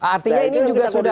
artinya ini juga sudah